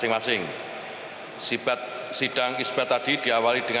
video ini diaminikan oleh jurunsel ab alimenta mediya ik ultimately